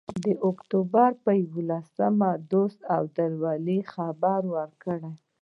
د اکتوبر پر یوولسمه دوست عبدالولي خبرې وکړې.